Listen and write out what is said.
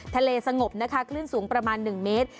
สงบนะคะคลื่นสูงประมาณ๑เมตร